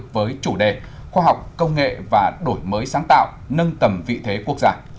với chủ đề khoa học công nghệ và đổi mới sáng tạo nâng tầm vị thế quốc gia